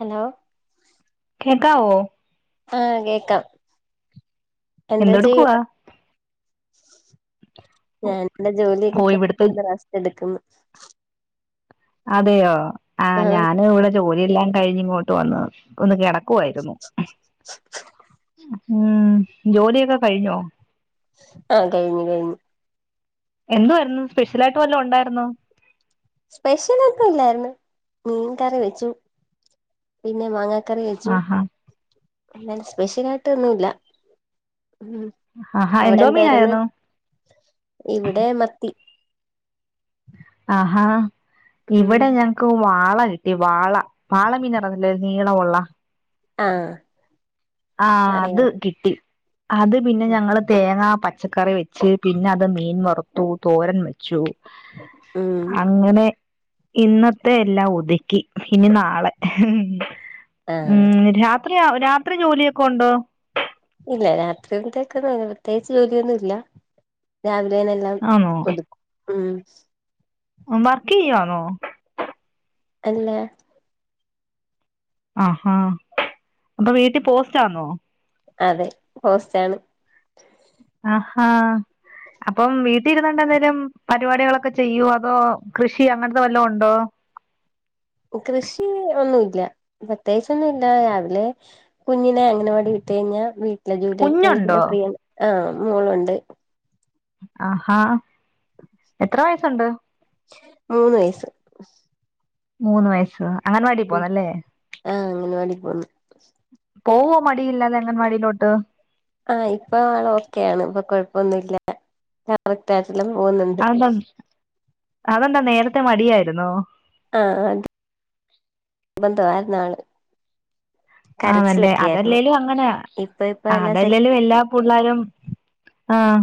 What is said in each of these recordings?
hello കേക്കാവോ ആ കേക്കാം എന്തെടുക്കവാ ഞാന് എന്റെ ജോലിയൊക്കെ ഓ ഇവിടുത്തെ കഴിഞ്ഞിട്ട് ഒന്ന് റെസ്റ്റ് എടുക്കും അതെയോ ആ ആഹ് ഞാനും ഇവിടെ ജോലില്ലാം കഴിഞ്ഞ ഇങ്ങോട്ട് വന്ന് ഒന്ന് കിടക്ക വായിരുന്നു ഉം ജോലിയൊക്കെ കഴിഞ്ഞോ ആ കഴിഞ്ഞു കഴിഞ്ഞു എന്തുവാരുന്നു സ്പെഷ്യൽ ആയിട്ട് വല്ലോ ഉണ്ടായിരുന്നോ സ്പെഷ്യൽക്കെ ഇല്ലായിരുന്നു മീൻ കറി വെച്ചു പിന്നെ മാങ്ങ ക്കറി വെച്ചു ആഹാ പിന്നെ സ്പെഷ്യല് ആയിട്ട് ഒന്നും ഇല്ല ഉം ആഹാ അവിടെ എന്തോ എന്തായിരുന്ന് മീനായിരുന്നു ഇവിടെ മത്തി ആഹാ ഉം ഇവിടെ ഞങ്ങക്ക് വ വാള കിട്ടി വാള വാള മീൻ ഇറന്നില്ലേ നീളം ഒള്ള ആ ആ അത് കിട്ടി അത് പിന്നെ ഞങ്ങള് തേങ്ങാ പച്ചക്കറി വെച്ച് പിന്നെ അത് മീൻ വറത്തു തോരൻ വെച്ചു ഉം അങ്ങനെ ഇന്നത്തെ എല്ലാ ഒതുക്കി ഇനി നാളെ ആഹ് ഉം രാ യാ രാത്രി ജോലിയൊക്ക ഉണ്ടോ ഇല്ല രാത്രി ത്തേക്ക്‌ന്ന പ്രത്യേകിച്ച് ജോലിയൊന്നുല്ല രാവിലെനെല്ലാം ഒതുക്കു ഉം ഉം വർക്കെയാണോ അല്ല ആഹാ അപ്പൊ വീട്ടി ഹോസ്റ്റാണോ അതെ ഹോസ്റ്റാണ് അഹാ അപ്പം വീട്ടി ഇരുന്നൊണ്ട് എന്തേലും പരിപാടികളൊക്കെ ചെയ്യൂവൊ അതോ കൃഷി അങ്ങൻത്ത വല്ലോ ഉണ്ടോ പ്രത്യേകിച്ച ഒന്നു ഇല്ല രാവിലെ കുഞ്ഞിനെ അങ്ങന വാടി വിട്ട് കഴിഞ്ഞാ വി ട്ടില്ല ജോലിയൊക്ക യ്ഞ്ഞ് കുഞ്ഞുണ്ടോ പിന്നെ ഫ്രിയ ആ മോളുണ്ട് ആഹാ എത്ര വയസുണ്ട് മൂന്ന് വയസ് മൂന്ന് വയസ് അങ്ങനവാടി പോന്നല്ലേ ആഹ് അംഗനവാടി പോന്നു പോവോ മടിയില്ലാതെ അങ്ങൻ വാടിയിലോട്ട് ആഹ് ഇപ്പൊ ആള് ഓക്കെയാണ് ഇപ്പൊ കൊഴപ്പൊന്നുല്ല കറക്റ്റാ ല്ലം പോന്ന്ണ്ട് അതെന്താ അതെന്താ നേരത്തെ മടിയായിരുന്നോ ആഹ് അത് ബന്ധവായ്ര്നാള് ആ ണല്ലേ അതല്ലേലും അങ്ങനെയാ ഇപ്പ ഇപ്പ എല്ലാം സെറ്റ് അതെല്ലേലും എല്ലാ പുള്ളാരും ആഹ്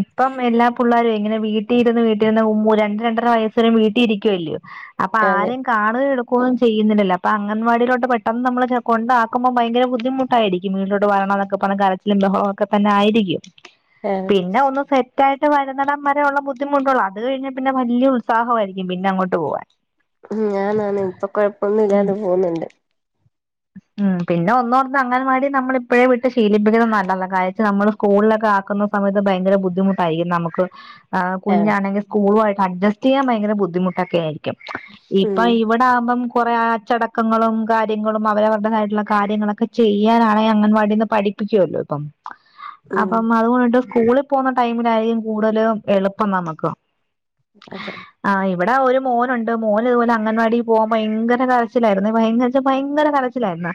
ഇപ്പം എല്ലാ പുള്ളാരു എങ്ങനെ വീട്ടി ഇരുന്ന് വീട്ടിരുന്ന് ഉം രണ്ട് രണ്ടര വയസ്സിന് വീട്ടിരിക്കുവല്ല്യൊ അപ്പൊ അതെ ആരേം കാണ് എടു കു [unintelligible] ന്നും ചെയ്യ്ന്നില്ലല്ലോ അപ്പൊ അങ്ങൻവാടിയിലോട്ട് പെട്ടന്ന് നമ്മള് ചെ കൊണ്ടാക്കുമ്പോ ഭയങ്കര ബുദ്ധിമുട്ടായിരിക്കും വീടിലോട്ട് വ ന്നൊക്കെ പറഞ്ഞ് കരച്ചിലും ബഹളൊക്ക തന്നായിരിക്കും ആഹ് പിന്നെ ഒന്ന് സെ ത്തായ്ട്ട് വര്ന്നടമ്മെരെ ഉള്ള ബുദ്ധിമുട്ടൊള്ളൂ അത് കഴിഞ്ഞ പിന്നെ വല്ല്യ ഉത്സാഹൊവായിരിക്കും പിന്ന അങ്ങോട്ട് പോവാൻ ഞാനാണ് ഇപ്പൊ കൊഴപ്പൊന്നു ഉം ഇല്ലാണ്ട് പോന്ന്ണ്ട് ഉം പിന്നെ ഒന്നൊർ അങ്ങനവാടി നമ്മള് ഇപ്പോഴേ വിട്ട് ശീലിപ്പിക്കുന്ന നല്ലതാ കഴിച്ച് നമ്മള് സ്കൂൾലൊക്ക ആക്ക്ന്ന സമയത്ത് ഭയങ്കര ബുദ്ധിമു ട്ടായിക്കും നമുക്ക് ഹ് ആഹ് കുഞ്ഞാണെങ്കി സ്കൂളു ആയിട്ട് അഡ്ജസ്റ്റ് എയ്യാൻ ഭയങ്കര ബുദ്ധിമുട്ടൊക്കെ ആയിരിക്കും ഉം ഇപ്പൊ ഇവടെ ആവ്മ്പം കൊറേ അച്ചടക്കങ്ങളും കാര്യങ്ങളും അവരവര്ടെതായിറ്റ്‌ള്ള കാര്യങ്ങളൊക്കെ ചെയ്യാനാണെ അങ്ങൻവാടിന്ന് പഠിപ്പിക്കുവല്ലോ ഇപ്പം ഉം അപ്പം അതുകൊണ്ട് സ് സ്കൂളി പോവ്ന്ന ടൈമിലായിരിക്കും കൂടുതലും എളുപ്പം നമക്ക് അതെ വ്ടെ ഒരു മോനുണ്ട് മോൻ ഇതുപോലെ അങ്ങൻവാടി പോവൻ ഭയങ്കര കരച്ചിലായിരുന്നെ ഭയങ്കര ഭയങ് ങ്കര കരച്ചിലായിരുന്നു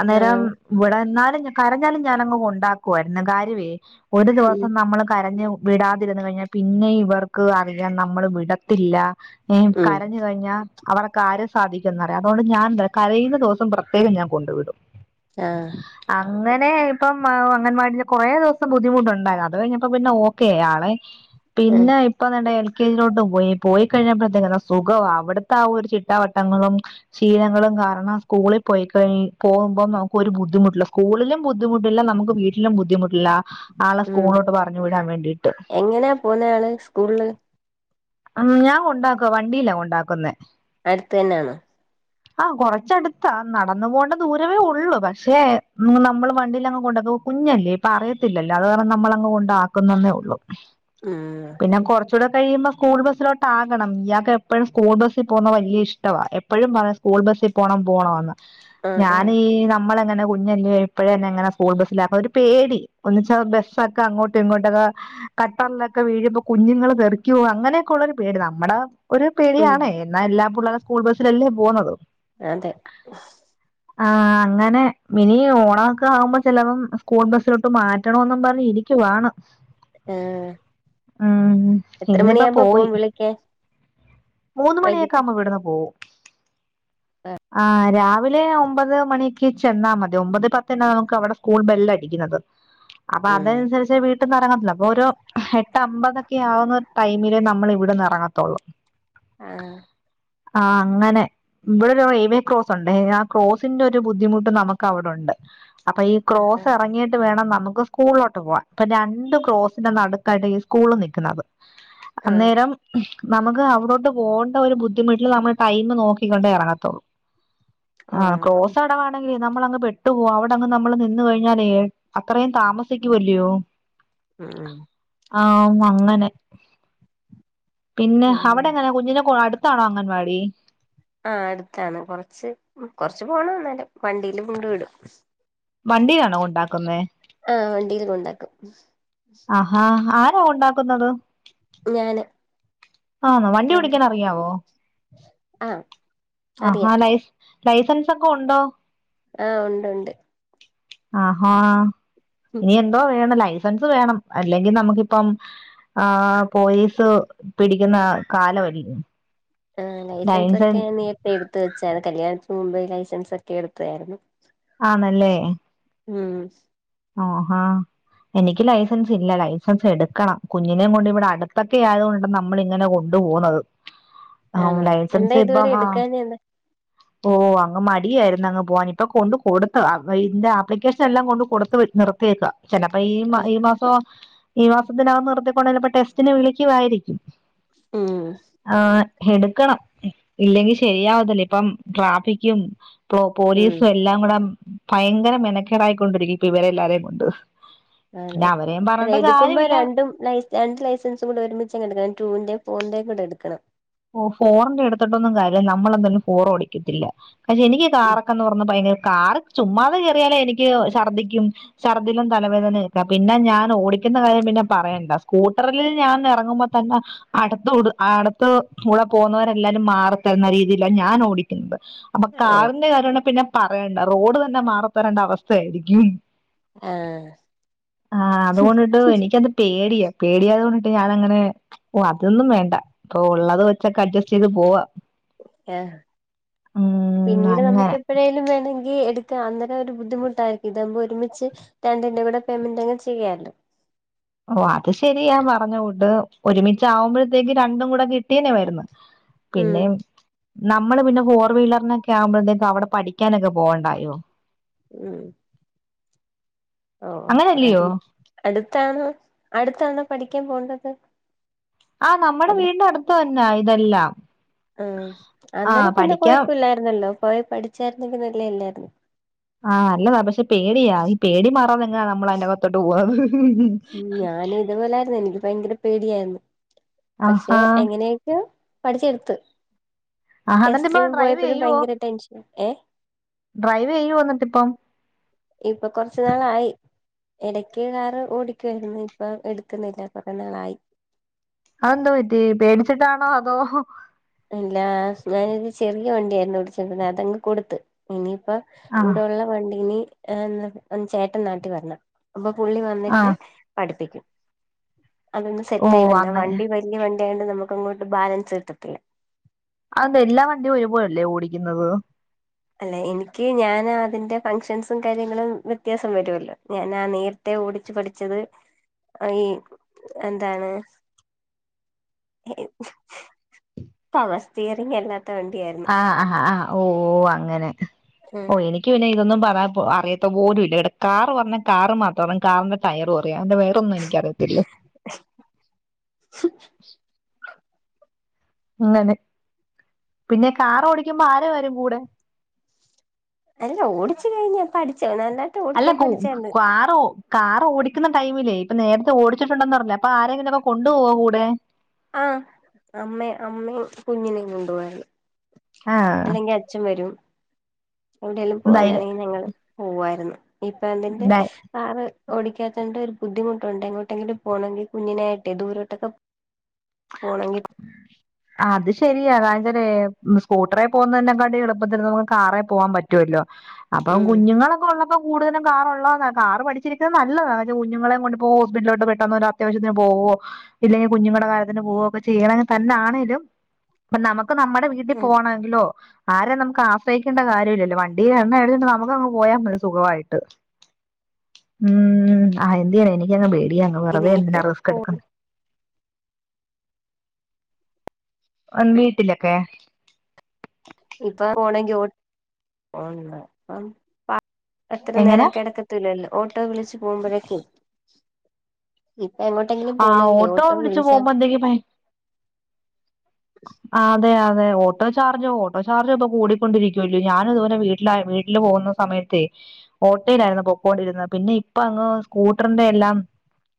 അന്നേരം ആഹ് വ്ടെ ന്നാലും കരഞ്ഞാലും ഞാനങ്ങ് കൊണ്ടാക് ക്കുവായിര്ന്ന് കാര്യൊവേ ഒരു ഉം ദിവസം നമ്മള് കരഞ്ഞ് വിടാതിര്ന്ന് കഴിഞ്ഞാ പിന്നെ ഇവർക്ക് അറിയാം നമ്മള് വിടത്തില്ല ഏ ഉം കരഞ്ഞ് കഴിഞ്ഞാ അവര കാര്യം സാധിക്കുംന്നറിയ അതുകൊണ്ട് ഞാൻന്ത കരയുന്ന സം പ്രത്യേകം ഞാൻ കൊണ്ട് വിടും ആഹ് അങ്ങ നേ ഇപ്പം അങ്ങൻവാടില് കൊറേ ദിവസം ബുദ്ധിമുട്ടുണ്ടായി അത് കഴിഞ്ഞപ്പോ പിന്നെ ഓക്കെ ആ ആള് ആഹ് പിന്നെ ഇപ്പൊന്നണ്ട് എൽ കേജിലോട്ട് പോയി പോയി കഴിഞ്ഞപ്പോഴത്തേക്ക്‌ അതാ സുഖൊവാ അവ്ടുത്ത ആ ഒരു ചിട്ടാവട്ടങ്ങളും ശീലങ്ങളും കാരണം സ്കൂളി പോയിക്കഴി പോവുമ്പം നമുക്ക് ഒരു ബുദ്ധിമുട്ടുല്ല സ്കൂളിലും ബുദ്ധിമുട്ടില്ല നമുക്ക് വീട്ടിലും ബുദ്ധിമുട്ടില്ല ആളെ ഉം സ്കൂൾലോട്ട് പറഞ്ഞു വിടാൻ വേണ്ടിട്ട് എങ്ങനാ പോവുന്നെ ആള് സ്കൂളില് അം ഞാൻ കൊണ്ടാ വണ്ടീലാ കൊണ്ടാക്കുന്നെ അടുത്തന്നാന്നോ ആഹ് കൊറച്ചടുത്താ നടന്നു പോവണ്ട ദൂരവേ ഒള്ളൂ പക്ഷേ നമ്മള് വണ്ടിലങ്ങ് കൊണ്ട കുഞ്ഞല്ലേ ഇപ്പ അറിയത്തില്ലല്ലോ അത് കാരണം നമ്മള് അങ്ങ് കൊണ്ടാ ക്കുന്നെന്നെ ഒള്ളൂ ഉം പിന്ന കൊറ്ച്ചൂട കഴിയുമ്പ സ്കൂൾ ബസ്സിലോട്ട് ആക്കണം ഇയാക്ക് എപ്പഴും സ്കൂൾ ബസ്സിൽ പോന്ന വല്യ ഇഷ്ടവാ എപ്പഴും പറയും സ്കൂൾ ബസ്സി പോണം പോണോന്ന് ആഹ് ഞാൻ ആഹ് ഈ നമ്മളെ ഇങ്ങനെ കുഞ്ഞല്ലേ ഇപ്പഴേ ന്നെങ്ങനെ സ്കൂൾ ബസ്സിലാപ്പ ഒരു പേടി ഒന്നിച്ച ബസ് ഒക്കെ അങ്ങോട്ടും ഇങ്ങോട്ടൊക്ക കട്ടറിലൊക്ക വീഴുമ്പോ കുഞ്ഞുങ്ങള് തെറിക്കോ അ അങ്ങനെയൊക്ക ഒള്ള ഒരു പേടി നമ്മട ഒരു ഉം പേടിയാണെ എന്നാ എല്ലാ പുള്ളരും സ്കൂൾ ബസ്സിലല്ലേ പോന്നത് അതെ ആഹ് അങ്ങനെ മിനി ഓണം ഒക്ക ആവുമ്പ ചിലപ്പോം സ്കൂൾ ബസ്സിലോട്ട് മാറ്റണോന്നും പറഞ്ഞിരി ക്കുവാണ് ആഹ് ഉം എത്ര ഇന്നിപ്പ മണിയാകുമ്പോ പോയി പോവും വിളിക്കാൻ മൂന്ന് മണിയൊക്ക ആവുമ്പ ഇവിടുന്ന് പോവും എഹ് ആഹ് രാവിലെ ഒമ്പത് മണിക്ക് ചെന്നാ മതി ഒമ്പത് പത്തിന് ഒക്ക അവിടെ സ്കൂൾ ബെല്ല് അടിക്കുന്നത് അപ്പൊ അത് ഉം അൻസരിച്ച് വീട്ടിന്ന്‌ എറങ്ങ [unintelligible] അപ്പൊ ഒരു എട്ട് അമ്പതൊക്കെ ആവുന്ന ടൈം അമ്മള് ഇവിടെന്ന് എറങ്ങത്തൊള്ളൂ ആഹ് ആഹ് അങ്ങനെ ഇ [unintelligible] ഒരു റെയിൽ വേ ക്രോസ് ഉണ്ടേ ആ ക്രോസിന്റെ ഒരു ബുദ്ധിമുട്ട് നമുക്ക് അവിടൊണ്ട് അപ്പൊ ഈ ആഹ് ക്രോസ് ആഹ് എറങ്ങിട്ട് വേണം ന നമുക്ക് സ്കൂളിലോട്ട് പോവാ അപ്പൊ രണ്ട് ക്രോസിന്റെ നടുക്കായിട്ട് ഈ സ്കൂളും നിക്ക്ന്നത് ആഹ് അന്നേരം നമുക്ക് അവിടോട്ട് പോണ്ട ഒരു ബുദ്ധിമുട്ടില് നമ്മൾ ടൈം നോക്കിക്കൊണ്ടേ എറങ്ങത്തൊള്ളൂ ആഹ് ക്രോസ് അവിട നമ്മളങ്ങ് പെട്ടു പോവാ അവിടങ്ങ് നമ്മള് നിന്ന് കഴിഞ്ഞാലേ അത്രയും താമസിക്കുവല്ലയോ ഉം ആഹ് അങ്ങനെ പിന്നെ ഉം അവിടെ എങ്ങനാ കുഞ്ഞിനെ കൊ അടുത്താണോ അംഗൻവാടി ആഹ് അടുത്താണ് കൊറച്ച് കൊറച്ചു പോണം എന്നാലും വണ്ടീല് കൊണ്ടു വിടും വണ്ടിയിലാണോ കൊണ്ടാക്കുന്നേ ആഹ് വണ്ടിയില് കൊണ്ടാക്കും ആഹാ ആരാ കൊണ്ടാക്കുന്നത് ഞാന് ആന്നോ വണ്ടി അതെ ഓടിക്കാൻ അറിയാവോ ആഹ് ആഹ അറിയാം ലൈ ലൈസൻസൊക്കെ ഒണ്ടോ ആഹ് ഒണ്ട് ഒണ്ട് ആഹാ ഇനി എന്തോ വേണം ലൈ സൻസ് വേണം അല്ലെങ്കി നമുക്കിപ്പം ആ പോലീസ് പിടിക്കുന്ന കാലം അല്ലെ ആ ലൈസൻസ് ഒക്കെ നീ എപ്പ എടുത്ത് വെച്ചാ കല്യാണത്തിന് മുമ്പേ [unintelligible] സൻസ് ഒക്കെ എടുത്താരുന്നു ആണല്ലേ ഉം ആഹാ എനിക്ക് ലൈസൻസ് ഇല്ല ലൈസൻസ് എടുക്കണം കുഞ്ഞിനേം കൊണ്ട് ഇവിടെ അടുത്തൊക്കെ ആയതുകൊണ്ട് നമ്മൾ ഇങ്ങനെ കൊ പോണത് ആ ആണോ ലൈസൻസ് എന്താ ഇപ്പം ഇതുവരെ ആ എടുക്കാഞ്ഞെ എന്താ ഓ അങ്ങ് മടിയാരുന്ന് അങ്ങ് പോവാൻ ഇപ്പൊ കൊണ്ട് കൊടുത്തതാ ഇയിന്റാ ആപ്ലിക്കേഷൻ എല്ലാം കൊണ്ട് കൊടു നിർത്തിയേക്ക ചിലപ്പ ഈ ഈ മാസോ ഈ മാസത്തിനകം നിർത്തിക്കൊണ്ട് ചിലപ്പോ ടെസ്റ്റിന് വിളിക്കുവായിരിക്കും ഉം ആഹ് എടു എടുക്കണം ഇല്ലെങ്കിൽ ശരിയാവതല്ലേ ഇപ്പം ട്രാഫിക്കും ഇപ്പോ ഉം പോലീസും എല്ലാം കൂടെ ഭയങ്കര മെനക്കേടായിക്കൊണ്ടിരിക്കും ഇപ്പ ഇവരെ എല്ലാരെയും കൊണ്ട് ആണ് പിന്നെ അവരെയും അതെ പറഞ്ഞിട്ട് എടുക്കുമ്പോ കാര്യമില്ല രണ്ടും രണ്ട് ലൈസൻസും കൂടെ ഒരുമിച്ച് എടുക്കണം ടുൂന്റെ ഫോർന്റെറെയും ഇങ്ങട്ട് എടുക്കണം ഓ ഫോറിന്റെ എടുത്തിട്ടൊന്നും കാര്യില്ല നമ്മളെന്തായാലും ഫോറ് ഓടിക്കത്തില്ല പക്ഷെ എനിക്ക് ഉം കറൊക്ക എന്ന് പറഞ്ഞപ്പോ ഭയം കാറ് ചുമ്മാതെ കയറിയാലേ എനിക്ക് ഛർദിക്കും ഛർദിലും തലവേദനക്ക പിന്നെ ഞാൻ ഓടിക്കും കയറുന്ന കാര്യം പിന്നെ പറയണ്ട സ്കൂട്ടറിൽ ഞാൻ ഇറങ്ങുമ്പോ തന്നെ അടുത്ത്തുടേ അടുത്ത് കൂടെ പോകുന്നവരെല്ലാരും മാറി ത്തരുന്ന രീതിയില ഞാൻ ഓടിക്കുന്നത് അപ്പൊ ഏഹ് കാറിന്റെ കാര്യമാണ് പിന്നെ പറയണ്ട റോഡ് തന്നെ മാറത്തരേണ്ട അവസ്ഥയാനിക്ക് ആഹ് ആഹ അതുകൊണ്ടിട്ട് എനിക്കത് പേടിയാ പേടിയായത് കൊണ്ടിട്ട് ഞാാനങ്ങനെ ഓ അതൊന്നും വേണ്ട ഇപ്പൊ ഉള്ളത് വെച്ചൊക്കെ അഡ്ജസ്റ്റ് ചെയ്ത് പോവാ ആഹ ഉം പിന്നീട് അങ്ങനെ നമുക്ക് എപ്പഴായാലും വേണെങ്കിൽ അങ്ങരം ഒരു ബുദ്ധിമുട്ടായിരിക്കും ഇതകുമ്പോ ഒരുമിച്ച് രണ്ടിന്റെ കൂടെ പേയ്മെന്റ്ങ്ങ് ചെയ്യല്ലോ ഓ അത് ശരിയാാ പറഞ്ഞുകൂട്ട് ഒരുമിച് ആകുമ്പോഴത്തേക്ക് രണ്ടും കൂടെ കിട്ടിയനേ മരുന്ന് ഉം പിന്നെ നമ്മള് പിന്നെ ഫോർ വീലറിനൊക്കെ ആവുമ്പോഴത്തേക് അവിടെ പഠിക്കാനൊക്കെ പോവണ്ടായോ ഉം ഓ അതെ അങ്ങനല്ലയോ അടുത്താണോ അടുത്താണോ പഠിക്കാൻ പോണ്ടത് ആഹ നമ്മുടെ വീടിന്റെ അടുത്ത് തന്ന ഇതെല്ലാം ആ ആ അന്നേരം പിന്നെ പഠിക്കാൻ കൊഴപ്പില്ലായിരുന്നല്ലോ പോയി പഠിച്ചായിരുന്നെങ്കല് നല്ലയില്ലായിരുന്നു ആഹ നല്ലതാ പക്ഷെ പേടിയാ ഈ പേടി മാറാതെ എങ്ങാ നമ്മൾ അന്റെകത്തോട്ട് പോവാന്ന് ഉ ഞാന് ഇതുപോലെയായിരുന്നു എനിക്ക് ഭയങ്കര പേടിയായിരുന്നു പക്ഷെ ആഹാ എങ്ങനെയൊക്കോ പഠിച്ചെടുത്ത് ആഹാ എന്നിട്ട് ഇപ്പ ടെസ്റ്റ്‌ ഡ്രൈവ് പോയപ്പോഴും ചെയ്യുവോ ഭയങ്കര ടെൻഷൻ ഏ ഡ്രൈവ് ചെയ്യോ എന്നിട്ടിപ്പം ഇപ്പൊ കൊറച്ചു നാളായി ഇടയ്ക്ക് കാറ് ഓടിക്കുവായിരുന്നു ഇപ്പ എടുക്കുന്നില്ല കുറേ നാളായി അതെന്തു പറ്റി പേടിച്ചിട്ടാണോ അതോ ഇല്ല ഞാനത് ചെറിയ വണ്ടിയായിരുന്നു ഓടിചിക്കണേ അതങ്ങ് കൊടുത്ത് ഇനി അപ്പൊ ആ ഇവിടെള്ള വണ്ടീല് ചേട്ടൻ നാട്ടിൽ വരണം അപ്പൊ പുള്ളി ആ വന്നിട്ട് പഠിപ്പിക്കും അതൊന്ന് ഓ സെറ്റായി വന്ന അങ്ങനെ വണ്ടി വല്യ വ ണ്ടി ആയോണ്ട് നമുക്ക് അങ്ങോട്ട് ബാലൻസ് കിട്ടത്തില്ല അതെന്തേ എല്ലാ വണ്ടിയും ഒരുപോലല്ലേ ഓടിക്കുന്നത് അല്ല എനിക്ക് ഞാൻ അതിന്റെ ഫങ്ഷൻസും കാര്യങ്ങളും വ്യത്യാസം വരുല്ലോ ഞാൻ ആ നേരത്തെ ഓടിച്ചു പഠിച്ചത് അ ഈ എന്താണ് സമസ്തിയറിങ് അല്ല ആഹ് ആ ആഹ് ഓ ഓ അങ്ങനെ ആഹ് ഓ എനിക്ക് പിന്നെ ഇതൊന്നും പറയാന് അറിയാത്ത പോലും ഇല്ല ഇവിടെ കാർ വന്ന് കാറ് മാത്രണ് കാറിന്റെ ടയറൊ പറിം അതിന്റെ വേറെന്നും എനിക്കറിയത്തില്ല അങ്ങനെ പിന്നെ കാറ് ഓടിക്കുമ്പോ ആര് വരും കൂടെ അല്ല ഓടിച്ചു കഴിഞ്ഞ പഠി അല്ല കു കാറോ കാർ ഓടിക്കുന്ന ടൈമില്ലേ ഇപ്പൊ നേരത്തെ ഓടിച്ചിട്ടുണ്ടന്ന്റിഞ്ലെ അപ്പൊ ആരെങ്കിലുംക്കെ കൊണ്ടു പോക കൂടെ ആഹാ അമ്മ അമ്മേം കുഞ്ഞിനെയും കൊണ്ടു പോവായിരുന്നു ആഹ് അല്ലെങ്കി അച്ഛൻ വരും എവിടെയെലും ധൈര്യ പോവാനാണെങ്കിൽ ഞങ്ങള് പോവായിരുന്നു ഇപ്പ അതിന്റെ കാറ് ഓടിക്കാതോണ്ട് രു ബുദ്ധിമുട്ടുണ്ട് എങ്ങോട്ടെങ്കിലും പോണങ്കിൽ കുഞ്ഞിനായിട്ടെ ദൂരോട്ടൊക്കെ പോ പോണങ്കി അത് ശരിയാ കാഞ്ജനെ സ്കൂട്ടറെ പോകുന്നെ നെ കാട്ടി എളുപ്പത്തിൽ നമുക്ക് കാറേ പോവാൻ പറ്റുവല്ലോ അപ്പം ഉം കുഞ്ഞുങ്ങളൊക്ക ഒള്ള കൂടുതലും കാറൊള്ളതാ കാറ് പഠിചിരിക്ക നല്ലതാ കുഞ്ഞുങ്ങളേം കൊണ്ട് ഇപ്പൊ ഹോസ്പിറ്റലോട്ട് പെട്ടന്ന് ഒരു അത്യാവശ്യത്തിന് പോ ഓ ഇല്ലെങ്കി കുഞ്ഞുങ്ങടെ കാര്യ ത്തിന് പോവൊക്കെ ചെയ്യണ തന്നെ ആണേലും പ്പ നമക്ക് നമ്മടെ വീട്ടി ഉം പോണ എങ്കിലോ ആരേം നമുക്ക് ആശ്രയിക്കേണ്ട കാര്യം ഇല്ലല്ലോ വണ്ടീൽ എണ്ണ അടിചോണ്ട് നമുക്കങ്ങ് പോയാ മതി സുഖവായിട്ട് ഉം ആഹ് എന്തേ യാന എനിക്കങ്ങ് പേടിയ അങ്ങ് വെറുതെ എന്തിനാ നേരിട്ട് റിസ്ക് എടുക്കുന്നേ പോണം അം വീട്ടിലൊക്കെ പോണെങ്കി ഓ [unintelligible] അത്ര എങ്ങനെ നേരം കെടക്കത്തില്ലല്ലോ ഓട്ടോ വിളിച്ച് പോവുമ്പയെ ആഹ് ഓട്ടോ വിളിച്ചു പോവുമ്പയത്തേക്കും [inaudible] ആഹ് അതെ അഹ് അതെ ഓട്ടോ ചാർജോ ഓട്ടോ ചാർജും ഇപ്പൊ കൂടി കൊണ്ടിരിക്കുവല്ല്യോ ഞാനിതുപോലെ വീട്ടിലാ വീട്ടില് പോവുന്ന സമയത്ത് ത്തെ ഓട്ടേലാരുന്നു പൊക്കോണ്ടിരുന്നെ പിന്നെ ഇപ്പൊ അങ്ങ് സ്കൂട്ടറിന്റെ എല്ലാം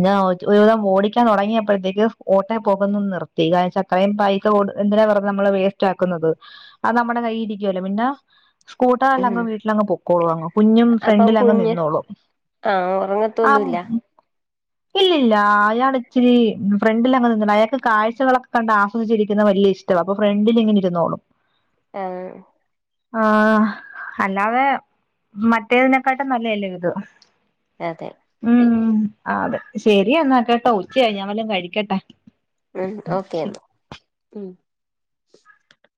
[unintelligible] ഒരുവിധം ഓടിക്കാൻ തൊടങ്ങിയപ്പഴത്തേക്ക് ഓട്ടെ പോകുന്നെ നിർത്തി കാരണചാ ഇത്രയും പൈ [unintelligible] എന്തിനാ വെറുതെ നമ്മള് വേസ്റ്റ് ആക്കുന്നത് അത് നമ്മടെ കയ്യി ഇരിക്കുവല്ലോ പിന്നെ ഉം സ്കൂട്ടറില്ലങ്ങ് വീട്ടിലങ്ങ് പൊക്കോളും അങ്ങ് കുഞ്ഞും ഫ്രണ്ടിലങ്ങ് നിന്നോളും ആ ഒറങ്ങത്തൊന്നു ഇല്ല ഇല്ലില്ല അയാൾ ഇച്ചിരി ഫ്രണ്ടില് അങ്ങ് നിന്നി [unintelligible] അയാൾക്ക് കാഴ്ചകളക്ക കണ്ട് ആസ്വദിച്ചിരി ക്ക്ന്ന വല്യ ഇഷ്ടവാ അപ്പൊ ഫ്രണ്ടിൽ ഇങ്ങനെ ഇരുന്നോളും ആഹ് ആഹ് അല്ലാതെ മറ്റേതിനെക്കാട്ടും നല്ല അല്ലേ ഇത് അതെ ഉം അതെ ശെരി എന്നാ കേട്ടോ ഉച്ചയായി ഞാൻ വല്ലോം കഴിക്കട്ട ഉം ഓക്കേ എന്നാ